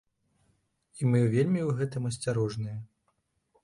І мы вельмі ў гэтым асцярожныя.